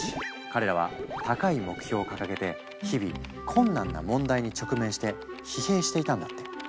彼らは高い目標を掲げて日々困難な問題に直面して疲弊していたんだって。